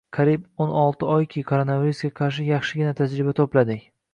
Qariyb o ‘n olti oyki, koronavirusga qarshi yaxshigina tajriba toʻpladik.